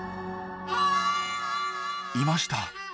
いました。